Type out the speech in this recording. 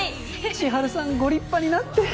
千晴さんご立派になって。